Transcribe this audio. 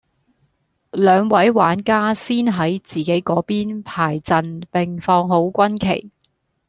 兩位玩家先喺自己嗰邊排陣並放好軍旗